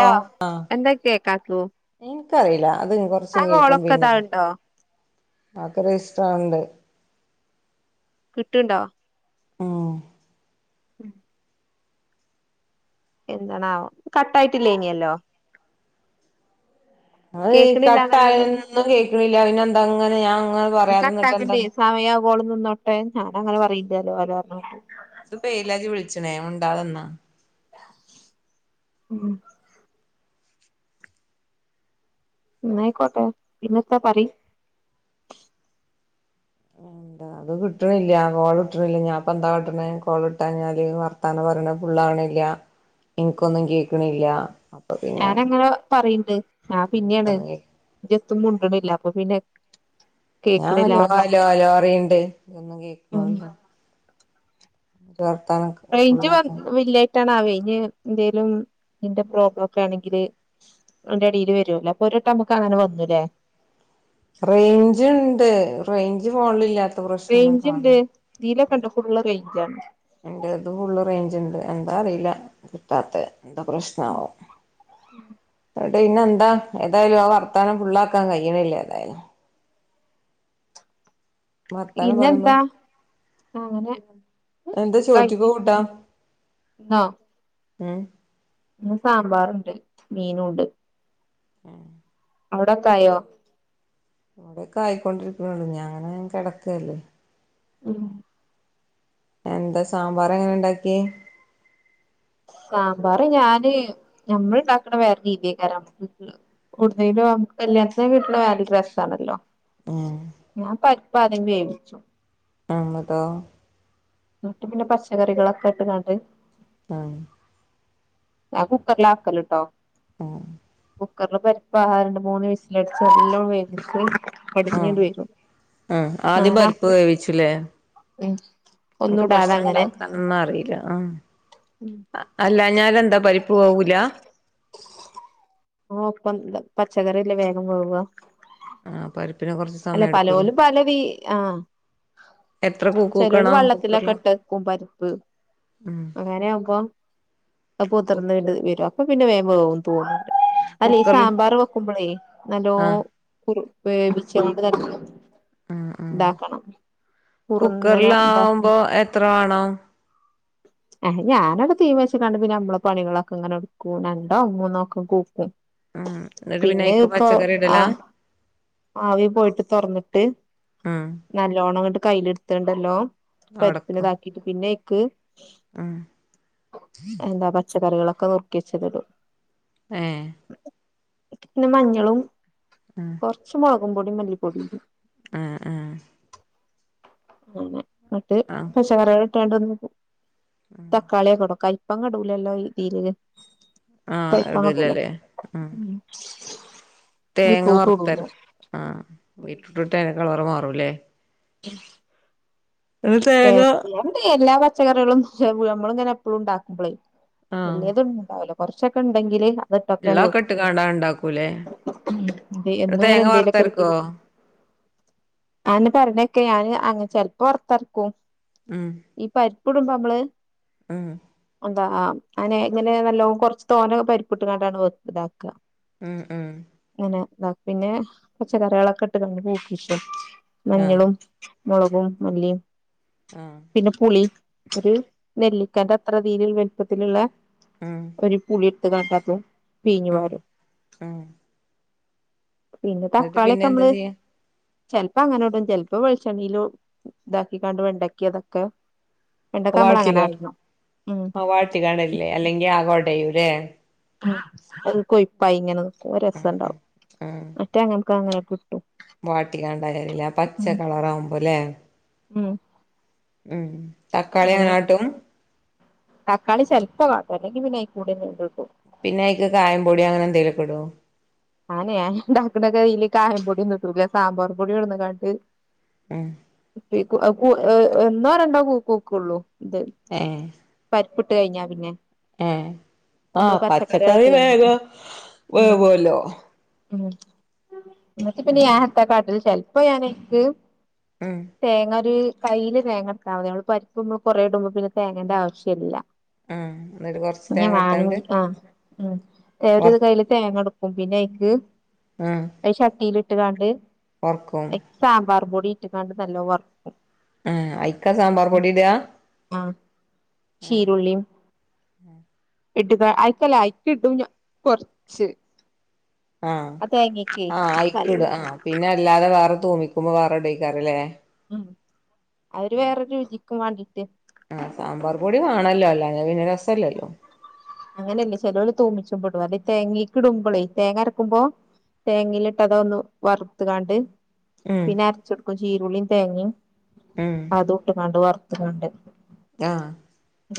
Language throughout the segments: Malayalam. ഓ എന്തെക്കേകാത്തൂ. ഇക്കറിയില്ല ആ ഇം ഇത് കൊറച്ച് കേക്കും പിന്നെ ആക്കറി ഇഷ്ടാവണ്ട്. കിട്ടീണ്ടോ ഉം ഉം [unintelligible] എന്തണാവോ യിട്ടില്ലേ ഇനിയെല്ലോ അത് കട്ടായതൊന്നും കേക്കണില്ല പിന്നെന്താ ഇങ്ങനെ ഞാൻ അങ്ങനെ പറയാതേനിന്നിട്ടെന്താണ്. ഏയ് ഞാനങ്ങനേ പറയില്ലല്ലോ വരാന്ന് പറഞ്ഞിട്ട്. ഇത് പേലാജി വെളിച്ചണേ മു ണ്ടാതന്നാ ഉം എന്നായിക്കോട്ടെ പിന്നെന്താ പറയ് അത് കിട്ടണില്ല കോൾ കിട്ടണില്ല ഞാൻപ്പാ എന്താ കാട്ടുന്നേ കോൾ കിട്ടാഞ്ഞാല് വർത്താനം പറയണ ഫുള്ളാകണില്ല്യ. എനിക്കൊന്നും കേക്കണില്ല്യ ആഹ് ഞാനങ്ങനെ പറയിണ്ട് ഞാൻ പിന്നെണ് എനിക്കൊന്നും കേ ഒരു മുണ്ടണില്ല അപ്പൊ പിന്നെ ഞാ കേക്കണില്ല അലോ അലോ മനസ്സിലായി അലോ പറിയിണ്ട് ഉം ഒന്നുംകേക്കുന്നല്ല ഉ റേഞ്ച് വന്ന് വില്ലായിട്ടാണാവേ. ഇ എന്തേലും ഇന്റെ പ്രോബ്ലോക്കെ ആണെങ്കില് അയിൻറ അടീല് വരൂല്ലോ അപ്പൊരൂട്ടം നമുക്ക് അങ്ങനെ വന്നൂല്ലേ റേഞ്ചിണ്ട് റേഞ്ച് ഈ ഫോണിലില്ലാത്ത പ്രശ്നനോന്നും കാൺണില്ല കണ്ട ഫുള്ള് റേഞ്ചാണ് എന്റെ ഇത് ഫുള്ള് റേഞ്ച് ഇണ്ട് എന്താ അറിയില്ല കിട്ടാത്തേ എന്താ പ്രശ്നാവും-പറയൂ ഇതിന്നെന്താ ഏതായാലും ആ വർത്താനം ഫുള്ളാക്കാൻ കഴിയണില്ലേ ഏതായാലും വർത്താനം പറയുമ്പോ പിന്നെന്താ അങ്ങനെ എന്താ ചോറ്റിക്ക് കഴിഞ്ഞു കൂട്ടാൻ എന്നാ ഉഹ് ഇ സാമ്പാറുണ്ട് മീനുംമുണ്ട് [inaudible] അവിടൊക്കയോ ഇവിടെൊക്കെ ആയിക്കൊണ്ടിരിക്കണള്ളു ഞാൻ അങ്ങനെ കിടക്കല്ലേ മ്മ് എന്താ സാമ്പാർ എങ്ങനെ ഇണ്ടാക്കി സാമ്പാർ ഞാന് നഞമ്മൾ ഉണ്ടാക്കണ വേറെ രീതിയക്കാരം കൂടുതലും ലുക്ക്‌ കല്യാണത്തി കീട്ടുള്ള വാല രസാണല്ലോ ഉം [unintelligible] അതി വേവിച്ചു ആമ്മതോ എന്നിട്ട് പിന്നെ പച്ചക്കറികളൊക്കെ ഇട്ട് കാണ്ട് ആഹ ആഞ കുക്കലാക്കല്ലട്ടോ ആഹ കുക്കറില് പരിപ്പാഹാ രണ്ട് മൂന്ന് വിസിലടിച്ച് എല്ലാം വേവിച്ചു ഉം അടിഞ്ഞണ്ട വരും ഉം ആദ്യം ആ പരിപ്പ് ഉ നമക്ക് ഭക്ഷണം ഉണ്ടാക്കാനൊന്നും അറിയില്ല ആ അല്ല ഞ [unintelligible] പച്ചക്കറില്ല വേഗം പോവുക ആ പരി അല്ല പലോലും പല വി ആ എത്ര കൂക്ക് ചെലോല് കൂക്കണം വള്ളത്തിലൊക്കെ കുക്കറിലാ ഇട്ടക്കും പരിപ്പ് ഉം അങ്ങനെ ആകുമ്പോ കു അപ്പൊതിർന്ന്ണ്ട് വരും. അപ്പ പിന്നെ വേം വേവൂന്നു തോന്നുന്നു അല്ലെ ഇ കുക്കറിൽ സാമ്പാർ വെക്കുമ്പോളേ നല്ലോ ആഹ് കുർ വേവി ചെയ്ത് [unintelligible] ഉം ഉം കുറുന്നനെ ഇതാ കുക്കറിലാാവുമ്പോ എത്ര വേണം ആ ഞാനവിടെ തീമച്ചാണ്ട് പിന്നെ നമ്മളെ പണികളൊക്കെ ഇങ്ങനെ എടുക്കും രണ്ടോ മൂന്നോ ഒക്കെ കൂക്കും. ഉം എന്നിട്ട് പിന്നെ അയ്ക്ക് ഇപ്പൊ പച്ചക്കറി ഇടലാ ആഹ് ആവി പോയിട്ട് തുറന്നിട്ട് ഉം നല്ലോണം അങ്ങോട്ട് കയ്യില എടുത്തണ്ടല്ലോ പരിപ്പിനെ അടക്കും താക്കീട്ട് പിന്നെ ക്ക് ഉം എന്താ പച്ചക്കറികളൊക്കെ ഒക്കെ നുർക്കി വെച്ചതിടും ഏ പിന്നെ മഞ്ഞളും ഉം മൊളകും പൊടി, മല്ലി പൊടിടും. ആ ആ [unintelligible] ന്നിട്ട് ആഹ് പച്ചക്കറികൾ [unintelligible] തക്കാളിയ കൊടക്കായി കപ്പങ്ങ ഇടൂലല്ലോ ഈ ഇതില് ആഹ് കയ്പങ്ങ പോലെ ഇടൂലല്ലേ ഉം തേങ്ങ വറത്തർക്ക് ആഹ് വിർട്ടൂറ്റിട്ട അയ്ന്റെ കളർ മാറു മാറൂല്ലേ [unintelligible] ഒരു തേങ്ങ [unintelligible] എന്റെ എല്ലാ [unintelligible] പച്ചക്കറികളുംളും ഇങ്ങനെ എപ്പോഴും ഉണ്ടാക്കുമ്പോളേും വള്ളേത് ഉണ്ട്ണ്ടാവല കുറച്ചൊക്കെ ഉണ്ടെങ്കില് അതിട്ടൊക്കെയാണ് ഉള്ളൊക്കെ വെക്കും ഇട്ട് കണ്ടാൻ ഉണ്ടാക്കൂലേ അവിടത്തേങ്ങ വാർത്തർക്കുവോ അെ പറഞ്ഞക്കെ ഞാന് അ ചെിലപ്പോ ഓത്തറ ക്കും ഉം ഈപ്പ കുടുംബമ്മള് ഉം എന്താ അങ്ങനെ എങ്ങനെ നല്ലോ കൊറച്ച് തോന്നൊക്കെ പരിപ്പിട്ടങ്ങണ്ടാണ് ഇതാക്കുക ഉം ഉം എാ പിന്നെ പച്ചക്കറികളൊക്കെ ഇട്ട് ക പൂക്ക ആഹ് മഞ്ഞളും മുളകും മല്ലിയും ആഹ് പിന്നെ പുളി ഒരു നെല്ലിക്കാന്റെ അത്ര രീതിയിൽ വെലുപ്പത്തിലുള്ള ഉം ഒരി പുള [unintelligible] പിീഞ്ഞ ഉം വരും ഉം പിന്നെ എന്നിട്ട് തക്കാളിയ പിന്നെ ഒക്കെ എന്താ നമ്മള് ചെയ്യാ ചിലപ്പോ അങ്ങനെോട്ടും ചിലപ്പോ വിളിച്ചണെലും ഇത കണ്ട് വണ്ടക്കിയ അതൊക്കെ വെണ്ടക്ക നമ്മള് വാഴ്ത്തിക അങ്ങനെ ആട്ടണം ഉം ആ വാഴ്ത്തികാണല്ലേ അല്ലെങ്കിൽ ആകോട്ടെ ലെ അത് കൊയപ്പായി ഇങ്ങനത് ഒരു രസഉണ്ടാവും മറ്റേങ്ങന ഇപ്പ അങ്ങനെ കിട്ടും വാട്ടിക്കാണ്ട കാരില്ല അ പച്ച കളറാവുമ്പോല്ലേ മ് മ് തക്കാളി അങ്ങനവട്ടും തക്കാളി ചിലപ്പ വാട്ടും അല്ലെങ്കിൽ പിന്നെ കൂടെ എട് പിന്നെ അയിക്ക് കായം പൊടി അങ്ങനെ എന്തെലൊക്കിടോ ആനെ അൻ ഉണ്ടാക്കുണത് ഇതില് കായം പൊടിയൊന്നിട്ടില്ല സാമ്പാർ പൊടി കൊടുന്നകണ്ടു മ് കുഎ കുഎ ഏ എന്നാ രണ്ടാ കൂ കുക്കുള്ളൂ എഹ് പരിപ്പിട്ട് കഴിഞ്ഞാ പിന്നെ ഏ നമ്മള് ആഹ് പച്ചക്കറികൾ പച്ചക്കറി ഇട്ട് കഴിഞ്ഞ ഉം വേഗം വേവുല്ലോ മ് [unintelligible] അപ്പ എനക്ക് ഉം തേങ്ങ ഒര് കൈയില് തേങ്ങവക്കമതി നമ്മൾ പരിപ്പ് [unintelligible] കൊറ ഇടുമ്പോ പിന്ന തേങ്ങേണ്ട ആവി ശില്ല ഉം എന്നിട്ട് കൊറച്ച് [unintelligible] തേങ്ങ എടുത്താണ്ട് മ് ഇവര് വർ ഇത് കയ്യില് തേങ്ങ [unintelligible] അധ് ചാറ്റിയിൽ ഇട്ട് കാണ്ട് ഓർക്കും പൊടി ഇട്ട് കാണ്ട് നല്ല വർക്കും ആഹ് ഐക്കാ സാമ്പാർ പൊടിയിടാ ആഹ് ചീരുള്ളിയും മ [inaudible] ഇട്ട്ക്ക ആയിക്കല്ലേ ആയിക്കിട്ടും ഞ കൊറച്ച് ആഹ് ആ തേങ്ങക്കെ ആഹ് ആയിക്കുട കലവും ആഹ് പിന്നെ അല്ലാതെ വേറെ തൂമി തുമ്മിക്കുമ്പോ വേറെ എടുക്കാവൈകാരം അല്ലേ മ്മ് അവര് വേറെ രുചി കുമാങ്കിട്ട് ആഹ് സാമ്പാറ് പൊടി വേണോല്ലോ അല്ലാതെ പിന്നെ രസല്ലല്ലോ അങ്ങനെയല്ല ചെലവലര് തൂമിച്ച്പ്ടും അത് തേങ്ങക്ക് ഇടുമ്പോളേ തേങ്ങ അരക്കുമ്പോ തേങ്ങയിലിട്ട് അത ഒന്ന് വറുത്തുകാണ്ട് ഉം പിന്നെ അരച്ചെടുക്കും ജീരുളീം തേങ്ങേം ഉം അതൊട്ട് കടുവർ ത്രണ്ട് ആഹ്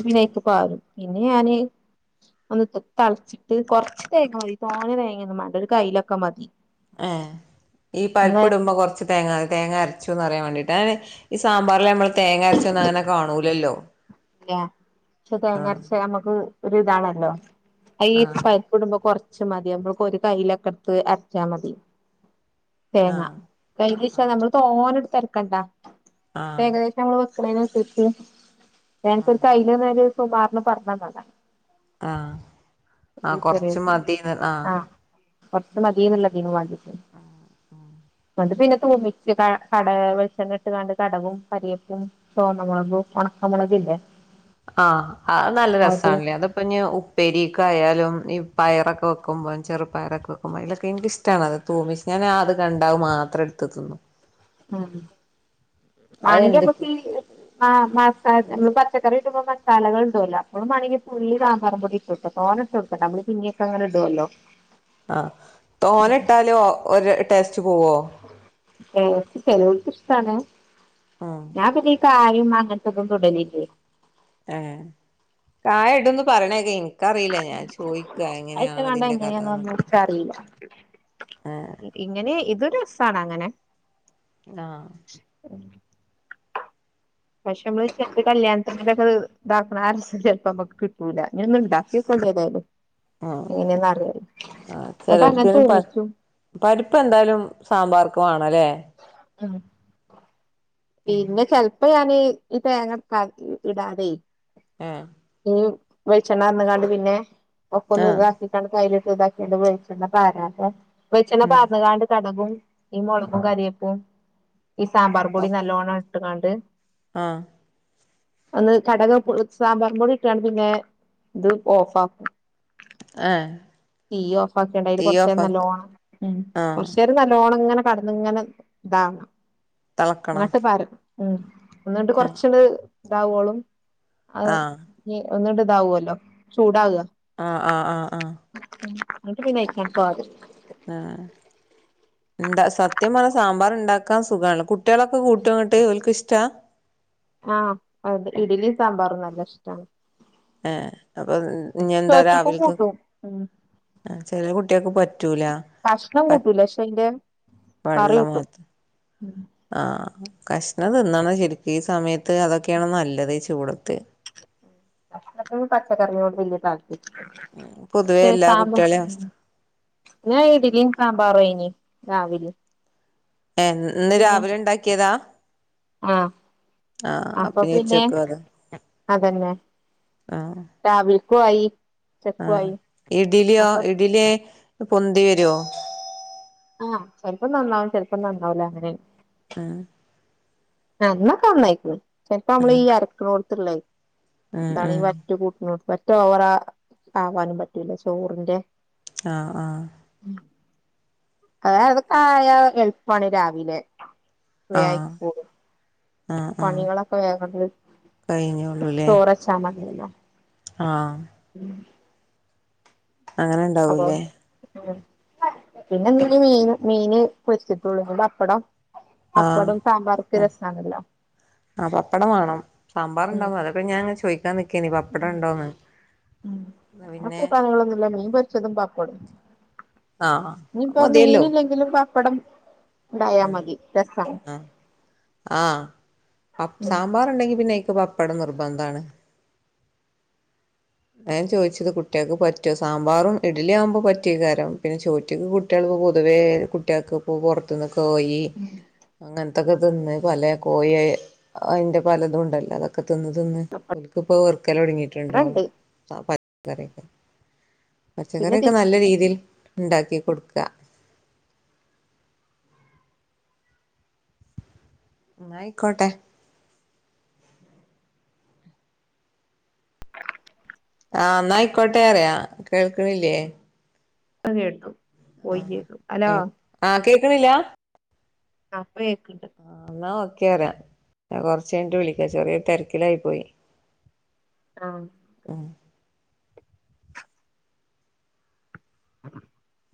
പിനക്ക് പാറും പിന്നെ ഞാന് ഒന്ന് തളിച്ചിട്ട് കൊറച്ച് തേങ്ങ മതി തോനെ തേങ്ങൊന്നും വേണ്ട ഒരു കയ്യിലൊക്കെ മതി ആ ഈ നമ്മളെ പരിപ്പ് ഇടുമ്പോ കൊറച്ച് തേങ്ങാ തേങ്ങ അരച്ചുന്ന് അറിയാൻ വേണ്ടീട്ട് അങ്ങന ഈ സാമ്പാറിൽ നമ്മള് തേങ്ങരച്ചോന്ന് അങ്ങനെ കാണൂലല്ലോ ഇല്ല പക്ഷെ ആഹ് തേങ്ങരച്ച നമുക്ക് ഒരു ഇതാണല്ലോ. ഈ ആഹ് പരിപ്പ്‌ ഇടുമ്പോ കുറച്ച്- അരച്ച മതി നമ്മക്ക് ഒരു കയ്യിലൊക്കെ എടുത്ത് അരച്ചാ മതി തേങ്ങ ആഹ് കയ്യില് ആഹ് നമ്മള് തോന എടുത്തര- ക്കണ്ടാ ആഹ് ഏകദേശനമ്മള്- [unintelligible] ആഹ് [unintelligible] കയ്യിയില്ന്ന ഒരു സുമാറിന് പറഞ്ഞന്നത ആ ആ കൊറച്ച് മതിന്ന് ആ [unintelligible] മതി പിന്ന- ഒര്മിച്ച് കട വെളിച്ചണ്ണ ട്ട് കണ്ട് കടവും കരിയപ്പും ചോന്നമുളകും ഉണക്കമുളകും ഇല്ല [unintelligible] ആ അത് നല്ല രസണല്ലേ അതപ്പ ഇനി ഉപ്പേരിക്കെ ആയാലും- ഈ പയറൊക്കെ വെക്കുമ്പോം ചെറുപയറൊക്കെ വെക്കുമ്പോൾ ഇതിലൊക്കെ എനക്ക്ഷ്ടണ അത് തൂമിച്ച് ഞാൻ അത് കണ്ടഅത് മാത്രം എടുത്ത്ന്നു ആ വാണിക അതെന്തൊക്കെ ബുക്കി മാ മാസ നമ്മള് പച്ചക്കറി ഇട്ടുമമ്പോ മസാലകൾ ഇണ്ടാവല്ലോ അപ്പോും മണങ്കി പുള്ളി സാമ്പാറ പൊടി ഇട്ട് ഇട്ട തോ ഇട്ട ഇടുട്ട നമ്മള് പിഞ്ഞൊക്കെങ്ങെ ഇടുല്ലോ ആ തോനെ ഇട്ടാലോ ഒരു- ഇന്ന് പോവോ? ചെലോ ചെലോൽക്ക് ഇഷ്ടാണ്. ഉം ഞാൻ പ്പം ഉപയോ ചായയും അങ്ങനത്തെതും തൊടലില്ലേ ആ കായം ഇടും എന്ന് പറയണ- ൻക്കറിയില്ല ഞാൻ ചോയ്ക്കാ അത് എങ്ങനെയാണ് ഇട്ട്ങ്ങാണ്ട് ഇതിന്റെ കഥാന്ന്- എങ്ങനെയാന്നൊന്നും ഇച്ചറീല്ല ഏഹ് [inaudible] ഇങ്ങനെ ഇത്- രസണ് അങ്ങനെ ആഹ് പക്ഷെ നമ്മള് [inaudible] കല്ല്യാൺത്തിൻ്റിടെ ഇതാക്ണ ആ രസം ചെൽപ്പം അമ്മക്ക് കിട്ടൂല അങ്ങനെയൊന്ന് ഉണ്ടാക്കിയോക്കണ്ടിയേത്യാലും ഉ ആ എന്നിട്ട് അങ്ങനെ ചിലര്ക് തൂമിച്ചും പരിപ്പ് എന്തായാലും സാമ്പാർക്ക് വാണം അല്ലേ ആഹ് പിന്നെ ചെൽപ്പ ഈ ഇ തേങ്ങ [unintelligible] ഇടാതേ ഏഹ് വെളിച്ചെണ്ണാർന്ന്കാണ്ട് പിന്നെ ഒക്ക ഒന്ന് ആഹ് ഇതാക്കിക്കാണ്ട് കയി ഇതാക്ക്യാണ്ട് വെളിച്ചെണ്ണ പാരാതെ വെളിച്ചെണ്ണ ഉം പാർന്ന്കാണ്ട് കടുകും ഈ മുളകും കരിയേപ്പും ഈ സാമ്പാർ പുളി ഓഹ് നല്ലോണ ട്ട്ക്കാണ്ട് ആഹ് ഒന്ന് കടക് പൊ സാമ്പാറും പൊടി ഇട്ട്കാണ്ട് പിന്നേ ത് ഓഫ് ആക്കും. ഏഹ് തീ ഓഫാക്യാണ്ടയില് തീ കൊറച്ചേരം ഓഫാക്ക നല്ലോണം മ് ആഹ് കൊറച്ചേരം നല്ലോണം ഇങ്ങനെ കട്ന്നങ്ങനെ ഇതാകണം. തെളക്കണ ഇങ്ങട്ട് പാരം ഉം ഇന്നട്ട് ആഹ് കൊർച്ച്ണ്ട് ഇതാവോളും അത് ആഹ് നി ഒന്ന്ണ്ട് ഇതാവുവല്ലോ ചൂടാവാ ആ ആ ആ ആ ഇന്നട്ട് പിന്നെ അയ്ക്കാണ് സ്വാദ് എന്താ സത്യം പറഞ്ഞാ സാമ്പാർ ഉണ്ടാക്കാൻ സുഖാണ് ലോ. കുട്ടിയേളൊക്കെ കൂട്ടോ ന്നട്ട്? ഓൽക്ക് ഇഷ്ടാ? ആഹ് അത് ഇഡലി സാമ്പാറും നല്ല ഇഷ്ടാണ് ഏഹ് അപ്പൊ ഇനി എന്താ ചോറ്റക്കും രാവില്ക്ക്? കൂട്ടും ഉം ചെറിയ കുട്ടിയേൾക്ക് പ കഷ്ണം കൂട്ടൂല. ശ്ശെ അയ്ന്റെ കറി കൂട്ടും. ഉം ആ കഷ്ണം തിന്നണം ശരിക്ക് ഈ സമയത്ത് അതൊക്കെയാണ് നല്ലത് ഈ ചൂടത്ത് [unintelligible] പച്ചക്കറിനോട്‌ വല്യ താൽ പൊതുവേ ശെ എല്ലാ സാമ്പാ കുട്ടികളെയും അവസ്ഥ ന്ന് ഇഡ്ഡ്ലിം സാമ്പാറേനി ആവില്ല ഏ ഇന്ന് രാവിലെ ഉണ്ടാക്കിയതാ ആഹ് ആ അപ്പൊ അപ്പിനി പിന്നെ ഉച്ചയ്ക്ക് അതെ ആഹ് പോയി ആ ഇഡ്ഡ്ല്യോ ഇഡ്ഡ്ലി പൊന്തി വരോ ആഹ് ചെൽപ്പം നന്നാവും ചെൽപ്പം നന്നാവൂല അങ്ങനെ ആഹ് ആന്നൊക്കെ നന്നായിക്കണ് ചിലപ്പ നമ്മള് ഉം ഈ അരയ്ക്കണോ ത്ത്ള്ളെ ഉം എന്താണ് ഈ ഉം വറ്റ് കൂട്ടിനോ ഓവർ ആവാനും പറ്റൂല ചോറിന്റെ ആഹ ആഹ അതായത് കായ എളുപ്പമാണ് രാവിലെ ആഹ് വേകയ്കോളും ആഹ് ആഹ് പണികളൊക്കെ വേഗങ്ങട് ചോറച്ചാമതില്ലോ ആഹ ഉം അങ്ങനെ ഉണ്ടാവൂലേ. പിന്നെയെന്തിന്‌ മീന്, മീന് പൊരിച്ചിട്ടുള്ളൂ, പപ്പടം ആ.. പപ്പടം സാമ്പാർക്ക് രസാണല്ലോ ആ പപ്പടം വേണം. സാമ്പാർ ഉണ്ടാവും. അതൊക്കെ ഞാൻ ചോദിക്കാൻ നിക്ക്.. ഉം.. ന്നാ അ പിന്നെ കൂട്ടാനുകളൊന്നുമില്ലായിരുന്നു. മീൻപൊരിച്ചതും പപ്പ.. [unintelligible] ആഹ് മതിയല്ലോ ഇനിയിപ്പംമീനില്ലെങ്കിലും, പപ്പ്.. പപ്പടം. ഉണ്ടായാമതി, രസം ആം സാമ്പാറുണ്ടെങ്കി പിന്നെ.. പപ്പടം നിർബന്ധാണ്. ഞാൻ ചോദിച്ചത്, കുട്ടികൾക്ക് പറ്റുമോ. സാമ്പാറും ഇഡ്ഡലിയും ആകുമ്പോൾ പറ്റിയേക്കും പിന്നെ ചോദിച്ചത് കുട്ടികൾ പൊതുവേ കുട്ടികൾക്ക് പുറത്തു നിന്ന് പോയി അങ്ങനെ ഇതൊക്കെ തിന്ന് പല കോഴി അതിന്റെ പലതും ഉണ്ടല്ലോ അതൊക്കെ.. തിന്നു തിന്നു ഇവിടെണ്ട് പത്തരക്കും പിന്നെ പച്ചക്കറിയൊക്കെ നല്ല രീതിയിൽ.. ഉണ്ടാക്കി കൊടുക്കുക. ഉം, ആയിക്കോട്ടെ. ആ.. എന്നായിക്കോട്ടെ. അറിയ കേൾക്കണില്ലേ. ഇപ്പംകേട്ടു ആ.. ആ.. കേക്കണില്ല ആ.. കേക്കണുണ്ട്. കേറുക കൊറച്ചുകഴിഞ്ഞിട്ട് വിളിക്കാം ചെറിയ തിരക്കിലായി പോയി. ആമ് ഉം [unintelligible]